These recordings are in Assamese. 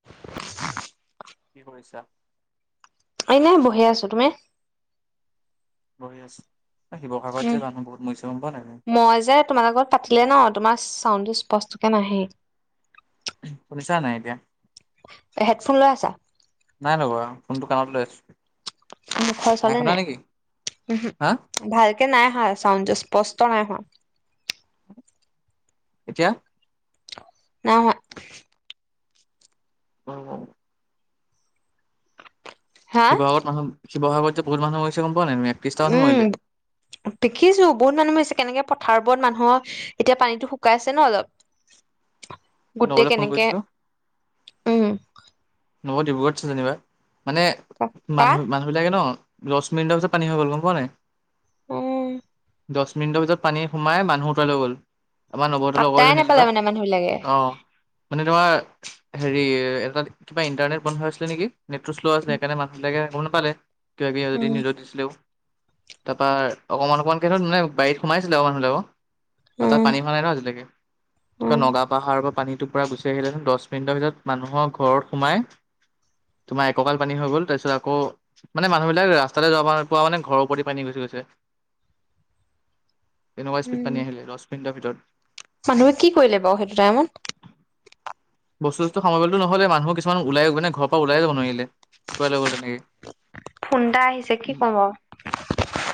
[inaudible] কি কৰিছা এনেই বহি আছোঁ তুমি বহি আছো শিৱসাগৰত যে মানুহ বহুত মৰিছে গম পাওঁ নাই তই মই যে তোমাৰ লগত পাতিলে ন তোমাৰ চাউণ্ডো স্পষ্টকে নাহে শুনিছা নাই এতিয়া হেডফোন লৈ আছা নাই লগোৱা ফোনটো কানত লৈ আছো মুখৰ নাই ওচলে শুনা নে নেকি? উহো হা ভালকে নাই আহা চাউজ স্পষ্ট নাই হোৱা এতিয়া নাই হোৱা অ হা শিৱসাগৰ মানুহ শিৱসাগৰ যে বহুত মানুহে মৰিছে গম পাওঁ নাই তুমি একত্ৰি মানুহ উম মৰিলে দেখিছো বহুত মানুহ মৰিছে কেনেকে পথাৰবোৰত মানুহৰ এতিয়া পানীটো শুকাইছে ন অলপ নবলে গোটেই ফোন কেনেকে কৰিছিলো। উম মইয়ো ডিব্ৰুগড়ত আছোঁ যেনিবা মানে কা মানুহ মানুহ সেইবিলাকে ন দহ মিনিটৰ পিছত পানী হৈ গ'ল গম পোৱা নাই উম দহ মিনিটৰ ভিতৰত পানী সোমাই মানুহ উটুৱাই লৈ গ'ল আমাৰ নবৌ হতৰ লগৰ পাত্তাই এজনী নাপালে যেনিবা মানে মানুহ বিলাকে অ মানে তোমাৰ হেৰি এ কিবা ইণ্টাৰনেট বন্ধ হৈ আছিলে নেকি নেটটো শ্ল' আছিল সেইকাৰণে মানুহবিলাকে গব নাপালে কিব কিবি উম যদিও নিউজত দিছিলেও তাপা অকণ অকণমানকে হলেও বাৰীত সোমাইছিলে অকণ মান হলেও তাত উম পানী হোৱা নাই ন আজিলৈকে উম নগা পাহাৰ পা পানীটো পোৰা গুচি আহিলেতেন দহ মিনিটৰ ভিতৰত মানুহৰ ঘৰত সোমাই তোমাৰ এককাল পানী হৈ গ'ল তাৰপিছত আকৌ মানে মানুহবিলাক ৰাস্তা যাব পৰা মানে ঘৰৰ উপৰিদে পানী গুচি গৈছে [unintelligible] তেনেকুৱা স্পীড উম পানী আহিলে দচ মিনিটৰ ভিতৰত মানুহে কি কৰিলে বাৰু সেইটো টাইমত বস্তু সস্তো সামৰিবলৈ টো নহলেই মানুহ কিছুমান ওলাই মানে ঘৰৰ পৰা ওলাই যাব নোৱাৰিলে উটুৱাই লৈ গল তেনেকে ফোন এটা আহিছে কি কও বাও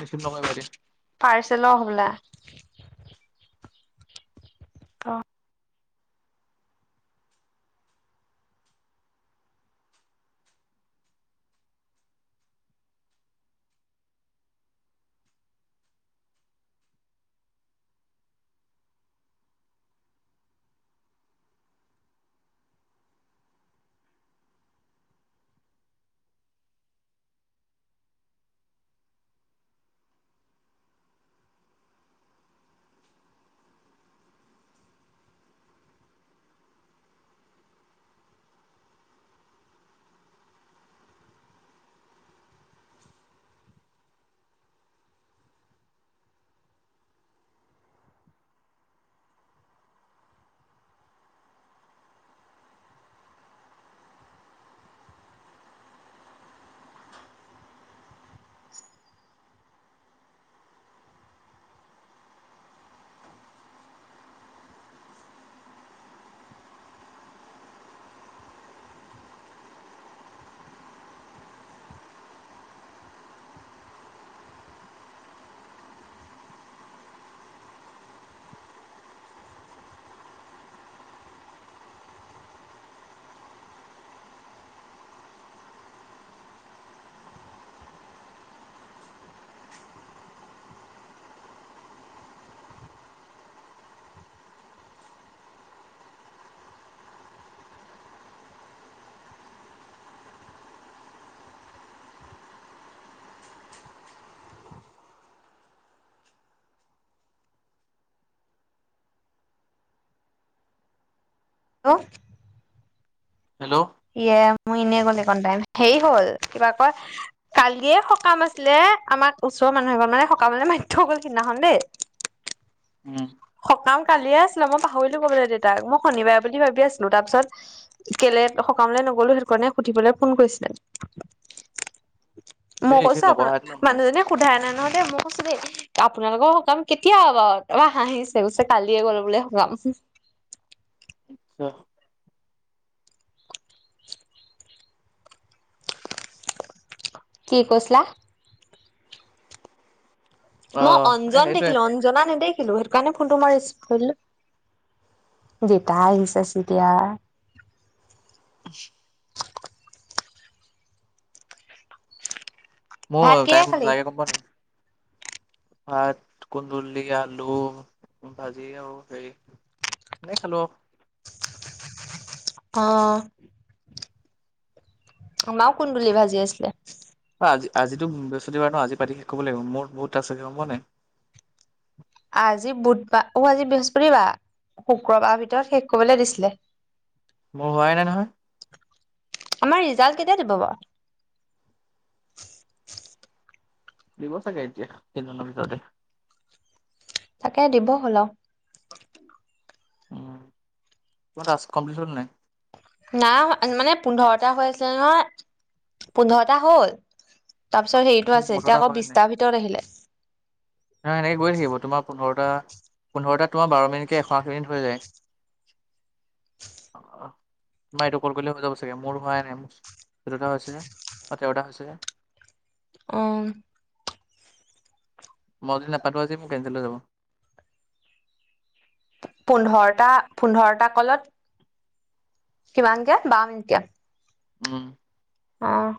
ৰিচিভ নকৰিবা এতিয়া হ'বলা অ হেল্ল' হেল্ল ইয়ে মোৰ এনেই কলি এইকণ টাইম হেৰি হ'ল কিবা কয় কালিয়ে সকাম আছিলে আমাৰ ওচৰৰ মানুহ এবাৰ মানে সকামলে মাতি থৈ গ'ল সিদিনাখন দেই [inaudible] উম। সকাম কালিয়ে আছিলে, মই পাহৰিলো কবলে দেউতাক। মই শনিবাৰে বুলি ভাবি আছিলো তাৰপিছত, কেলে সকামলৈ নগলো সেইটোকাৰণে সুধিবলৈ ফোন কৰিছিলে। যদি মই ৰিচিভ কৈছো আপোনাৰ, নকৰাটো নহয় মানুহজনে সোধাই নাই নহয় দেই মই কৈছো দেই আপোনালোকৰ সকাম কেতিয়া বাৰু? তাৰপৰা হাঁহিছে কৈছে কালিয়ে গ'ল বোলে সকাম। [unintelligible] কি কৈছিলা? মই অ', এ অঞ্জন সেইটোৱে দেখিলো, অঞ্জনা নেদেখিলো সেইটো কাৰণে ফোনটো মই ৰিচিভ কৰি দিলোঁ। দেতা আহিছা চতিয়া [unintelligible] ভাত মোৰ কিহে তাই মোক খালি? একো কৰা নাই ভাত কুন্দুলি আলু ভাজি আৰু হেৰি তেনেকৈ খালো আৰু। অ। আমাৰু কুন্দুলি ভাজি আছিলে। আজি আজিতো বৃহস্পতিবাৰ ন, আজি পাতি শেষ কৰিব লাগিব মোৰ বহুত আছে, গম পোৱা নে নাই? আজি বুধবাৰ, অ, আজি বৃহস্পতিবাৰ? শুক্ৰবাৰৰ ভিতৰত শেষ কৰিবলৈ দিছিলে। মোৰ হোৱাই নাই নহয়। আমাৰ ৰিজাল্ট কেতিয়া দিব বাৰু? দিব চাগে এতিয়া, এই দুদিনৰ ভিতৰতে। তাকে দিব হ'ল আৰু। উম। তোৰ টাস্ক কমপ্লিট হল নে নাই? নাই হোৱা মানে পোন্ধৰটা হৈ আছিলে নহয়, পোন্ধৰটা হ'ল। তাৰপিছত হেৰিটো মোৰ আছে, এতিয়া পোন্ধৰটা আকৌ হোৱাই নাই বিছটাৰ ভিতৰত আহিলে। নহয় সেনেকৈ গৈ থাকিব, তোমাৰ পোন্ধৰটা পোন্ধৰটা তোমাৰ বাৰ মিনিট কে এশ আশী মিনিট হৈ যায়। [inaudible] [inaudible] তোমাৰ এইটো কল কৰিলে হৈ যাব চাগে, মোৰ হোৱাই নাই। মোৰ দুটা হৈছেহে, অ তেৰতা হৈছেহে। অ। মই যদি নাপাতো আজি, মোৰ কেঞ্চেল হৈ যাব। পোন্ধৰটা, পোন্ধৰটা কলত কিমান কে বাৰ মিনিটত কে। উম। অ।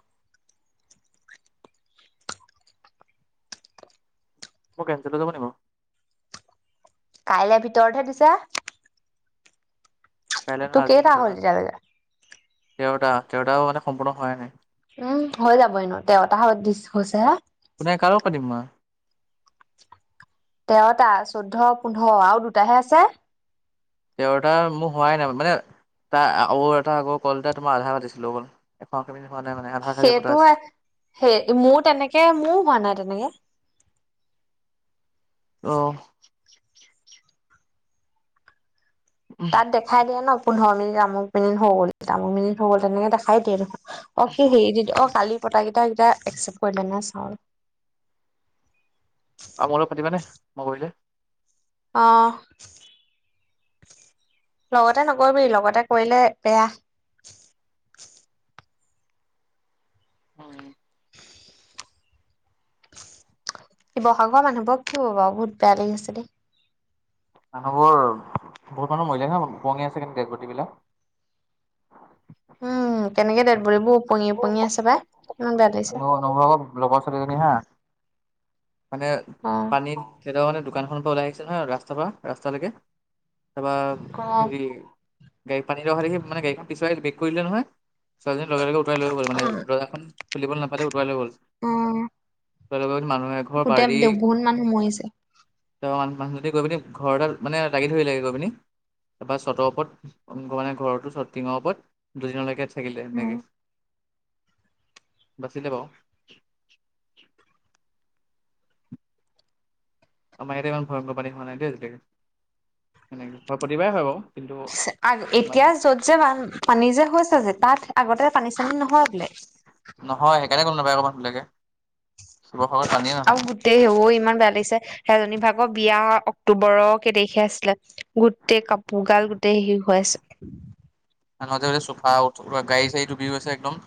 মোৰ কেঞ্চেল হৈ যাব নেকি বাৰু? কাইলৈ ভিতৰতহে দিছে। কাইলৈ তোৰ নহয় আজিৰ কেইতা হ'ল ভিতৰত এতিয়া লৈকে? তেৰটা, তেৰটাও মানে সম্পূৰ্ণ হোয়াই নাই। উম। হৈ যাব এনেও, তেৰটা হত দিচ হৈছেহে। কোনে, কাৰ লগত পাতিম মই? তেৰটা, চৈধ্য, পোন্ধৰ আৰু দুটাহে আছে। তেৰতা মোৰ হোৱাই নাই মানে, তা আৰু এটা আগৰ কল এটা আধা পাতিছিলো অকল এশ আশী মিনিট হোৱা নাই মানে। আধা আধাকে পতা সেইটো আছে। সেই, মোৰ তেনেকে মোৰো হোৱা নাই তেনেকে। অ তাত দেখাই দিয়ে ন, পোন্ধৰ মিনিট আমুক মিনিট হৈ গ'ল তামুক মিনিট হ গ'ল তেনেকে দেখাই দিয়ে। অ কি হেৰি দি অ কালি পতা কেইটা হেইটা একচেপ্ট কৰিলেনে নাই চাওঁ ৰ'হ। আৰু মোৰ লগত পাতিবানে মই কৰিলে? অঁ। লগতে নকৰিবি, লগতে কৰিলে বেয়া। [inaudible] [inaudible] শিৱসাগৰ মানুহবোৰ কি হ'ব বাৰু বহুত বেয়া লাগিছে দেই। মানুহবোৰ বহুত মানুহ মৰিলে ন, ওপঙি আছে ডেদবদি বিলাক। উম কেনেকে দেদবদীবোৰ ওপঙি ওপঙি আছে বা ইমান বেয়া লাগিছে। তোমালোকৰ লগৰ ছোৱালী এজনী হা। মানে অ পানীত তেকেতাতে মানে দোকান খনৰ পৰা ওলাই আহিছে। নহয় ৰাস্তাৰ পৰা ৰাস্তালৈকে, তাৰপা অ হেৰি গাডী পানী অহা দেখি মানে গড়ীখন পিছুৱাই ব্ৰেক কৰিলে নহয়, ছোৱালি জনি লগে লগে উতাই লৈ গল অ মানে দৰ্জা খন খুলিব নাপালে উটুৱাই লৈ গ'ল। অঁ। তাৰ লগত মানুহ এঘৰ বাৰী বহুত মানুহ মৰিছে তাপা মানুহ জনী গৈ পিনি ঘৰ এটাত মানে লাগি ধৰিব লাগে গৈ পিনি। তাৰপৰা চটৰ ওপৰত মানে ঘৰতো চ টিঙৰ ওপৰত দুদিনলৈকে থাকিলে উম এনেকেই। বাছিলে বাও। আমাৰ ইয়াতে ইমান ভয়ংকৰ পানী হোৱা নাই দেই আজিলৈকে সেনেকে হয় প্ৰতিবাৰে হয় বাৰু। কিন্তু ছে আ ইমান এতিয়া য'ত যে পানী যে হৈছে যে তাত আগতে পানী চানী নহয় বোলে। নহয় সেইকাৰণে গ'ম নাপায় মানুহবিলাকে, শিৱসাগৰত পানীয়ে নহয় আৰু গোটেই অ ইমান বেয়া লাগিছে, সেইজনী ভাগৰ বিয়া অক্টোবৰৰ কেই তাৰিখে আছিলে গোটেই কাপোৰ গাল গোটেই হেৰি হৈ আছে। কেনেদৰে চুফা আৰু গাড়ী চাড়ী ডুবি গৈছে একদম।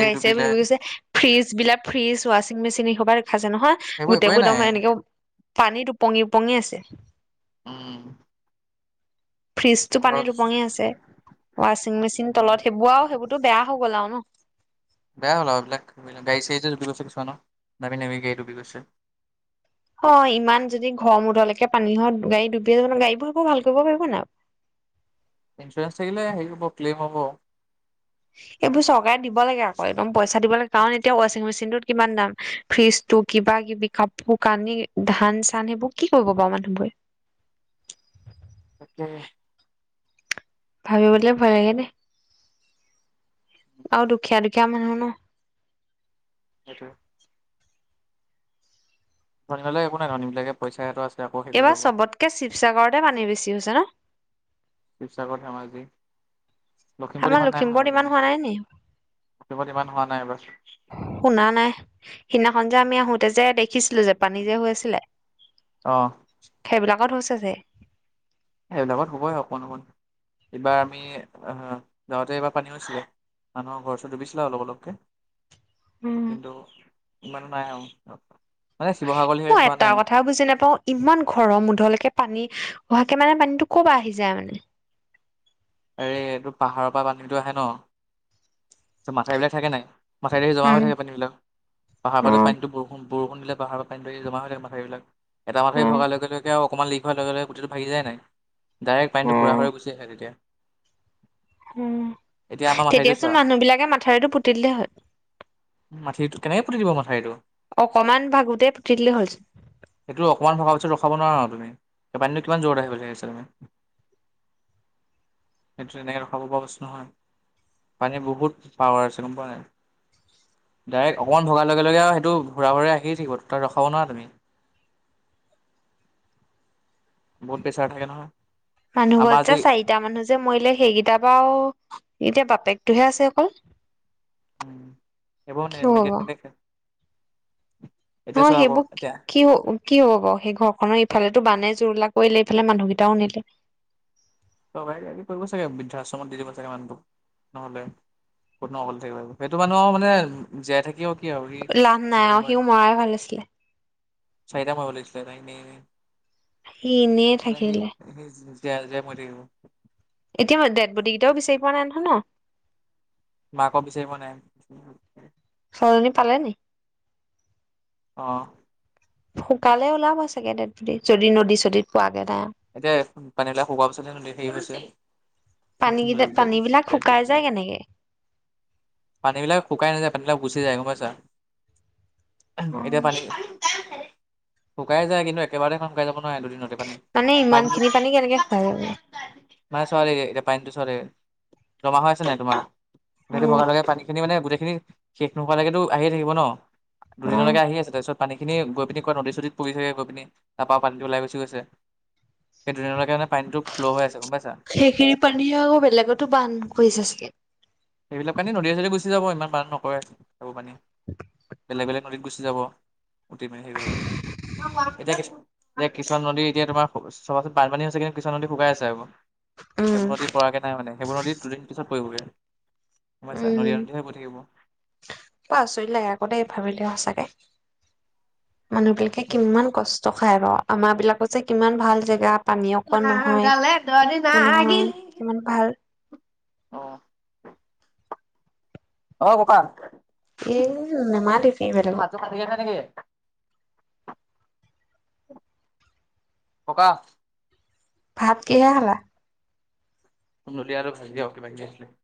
গাড়ী চাড়ী উতি গৈছে, ‌ ফ্ৰিজ বিলাক ফ্ৰিজ ৱাশ্বিং মেচিন এই সবা দেখাছে নহয়। সেইবোৰ একোৱেই গোটেইবোৰ নাই একদম এনেকে পানীত ওপঙি ওপঙি আছে। উম। ফ্ৰিজ টো পানী ওপঙি ঘৰত আছে, ৱাচিং মেচিন তলত সেইবোৰ আৰু সেইবোৰতো বেয়া হৈ গ'ল আও ন। বেয়া হ'ল আৰু এইবিলাক গাড়ী চাড়ীত ডুবি গৈছে কিছুমান, দামী দামী গাড়ী ডুবি গৈছে। অঁ, ইমান যদি ঘৰ মূধলকে পানী হয়, গাড়ী ডুবিয়াই যাব ন গাড়ী বোৰ আকৌ ভাল কৰিব পাৰিব নাই। ইঞ্চুৰেঞ্চ থাকিলে হেৰি হ'ব ক্লেইম হ'ব। এইবোৰ চৰকাৰে দিব লাগে আক, একদম পইচা দিব লাগে কাৰণ এতিয়া ৱাচিং মেচিনটোত কিমান দাম। ফ্ৰিজটো কিবা কিবি কাপোৰ কানি ধান চান সেইবোৰ কি কৰিব বাৰু মানুহ বোৰে? তাকে। ভাবিবলে, ভয় লাগে দেই আৰু দুখীয়া দুখীয়া মানুহ ন সেইটোৱে। ধনী বিলাকৰ একো ল নট ধৰন বিিলাকে পইছা হেঁত আছিলে আক এইবাৰ চবতকে শিৱসাগৰতে পানী বেছি হৈছে ন। শিৱসাগৰ ধেমাজি লখিমপুৰত আমাৰ ইমান নাই হোৱা ইমান পানী, নাই নি লখিমুৰত ইমান হোৱা নাই এইবাৰ। শুনা নাই, সিদিনাখন যে আমি আহোতে যে দেখিছিলো যে পানী যে হৈছিলে। অ'। সেইবিলাকত হৈছে যে। এইেবিলাকত হ'বই অকণ অকণ। এইবাৰ আমি গাঁৱতে এইবাৰ পানী হৈছিলে মানুহৰ ঘৰ ওচৰত ডুবিছিলা অলপ অলপকে। উম কিন্তু ইমানো নাই আৰু। মানে শিৱসাগৰ লেখিয়াকে মই হোৱা এটা নাই। কথাও বুজি নাপাওঁ ইমান ঘৰমুধলকে পানী অহাকে মানে পানীতটো ক'বা আহি যায় মানে। এই এইটো পাহাৰৰ পৰা পানীটো আহে ন মাথা বিলাক থাকে নাই। মথাউৰিতে জমা উম হৈ থাক পানী বিলাক অ পাহাৰৰ পৰা নীটো বৰষুণ বৰষুণ দিল পাহাৰৰ পৰা পানী এই জমা থাকে মথাইবিলাক এটা অ মাথাৰি ভগাৰ লগে, লগে আৰু অকণমান লিক ৱাৰ লগে লগ গোটেইটো ভাগি যায় নাই। ডাইৰেক্ট পানীটো সুৰা হুৰে হৈ অ গুছি আহে তিতিয়া। উম, এতিয়া আমাৰ মাথাউৰিটো তেতিয়াচোন চোৱা মানুহ বিলাকে মাথাউৰিতো পুতি দিলে হয়। মাঠিটো কেনেকে পুতি দিব মাথাঠৰিটো অকমান ভাগোতেই পুতি দিলে হ'লচোন। সেইটো অকণমান ভৰাৰ পিছত ৰখাব নোৱাৰা আৰু তুমি স পানীটো কিমান' যোৰত আহিব বুলি ভাবিছা তুমি। সেইটো তেনেকে ৰখাব পৰা বস্তু নহয় পানী বহুত পাৱাৰ আছে গ'ম পোৱা নাই। ডাইৰেক্ট অকণ ভাৰ লগে, লগে আৰু সেইটো ঘূৰা হুৰে আহি থাকিব তাত ৰখাব নোবাৰা তুমি। বহুত পেছাৰ থাকে নহয়। মানুহ আমাৰ ঘৰত যে আজি চাৰিটা মানুহ যে মৰিলে সেইকেইটাৰ বা এতিয়া বাপেকটোহে আছে অকল। উম এইব ন কি ম গ হ'ব দেখ [unintelligible] অ', সেইবোৰ কি হ কি হ'ব বাৰ সেই ঘৰখনৰ ইফালেতো বানে জুৰুলা কৰিলে এইফালে মানুহকেইটাও নিলে। ত কৰিব চাগে বৃদ্ধাশ্ৰমত দি দিব চাগে মানুহটোক। নহ'লে ক'ত ন অকলে থাকিব, সেইটো মানুহ আৰু মানে জীয়াই থাকিও কি আৰু সি লাভ নাই মৰি অ', সিও মৰাই ভাল আছিলে। চাই [unintelligible] দ ম বুলিছিল নাইনে সি এনেই মানে কি থাকিলে জীয়াই, জীয়াই মৰি থাকিব এতিয়া মই ডেডবটী কেইটাও বিচাৰি পোৱা নাই নহয় ন মাকো বিচাৰি পোৱা নাই ছোৱালজনী পালেনি অ'। শুকালে ওলাব চাগে ডেড যদি নদী চদীত পোৱাগে তাই এতিয়া পানীবিলাক শুকোৱা পিছ নে ন হেৰি গ হৈছে পানীকেইটা পানী বিলাক শুকাই যায় কেনেকে পানীবিলাক শুকাই নযায় পানী বিলাক গুচি যায় গম পা ইছা এতিয়া, পানী শুকাই যায়, কিন্তু একেবাৰতে শুকাই যাব নোৱাৰে দুদিনতে পানী। মানে, ইমান পানীটো খিনি পানী কেনেকে শুকাই যাব? মানে, চোৱা দেই এতিয়া পানীটো চোৱা দেই জমা হৈ আছে নাই তোমাৰ? সেইটো উম, ভগা লগে পানী খিনি মানে, গোটেইখিনি শেষ নোহোৱালৈকেতো আহিয়ে থাকিব ন। উম, দুদিনলৈকে আহি আছে, তাৰপিছত পানীখিনি গৈ পিনি কবাত নদী চদীত পৰিছে গৈ পিনি, তাৰ পৰা পানী ওলাই গুছি গৈছে। সেইদিনলৈকে পানীটো ফ্ল' হৈ আছে গ'ম পাইছা। সেই খিনি পানী আকৌ বেলেগতো বান্ধ কৰিছে চাগে। সেইবিলাক পানী নদীয়ে চদীয়ে গুচি যাব ইমান বান নকৰে, সেইবোৰ পানী বেলেগ বেলেগ নদীত গুচি যাব। উটি ভাহি পিনি সেই কৰি পিনি এতিয়া কি-এতিয়া কিছুমান নদী এতিয়া তোমাৰ চাবাচোন বানপানী হৈছে, কিন্তু কিছুমান নদী শুকাই আছে আকৌ। উম, সেইবোৰ নদীত পৰাগে নাই মানে, সেইবোৰ নদীত দুদিন পিছত পৰিগৈ। গম পাইছা, নদীয়ে উম, নদীয়ে গৈ থাকিব। বৰ আচৰিত লাগে, আকৌ দেই ভাবিলে সঁচাকে। মানুহ বিলাকে কিমান কষ্ট খায় বাৰু আমাৰ বিলাকত যে, কিমান ভাল জেগাত পানী অকন নহয়, নাগালেণ্ডৰ দিন একো নহয়, আহিল ইমান ভাল। অ, অ, ক'কা এ নেমাতিবি তোৰ বেলেগক হাতটো কাটিলে নেকি? ক'কা। ভাত কিহে খালা? কুন্দুলি আৰু ভাজি আৰু কিবা-কিবি আছিলে।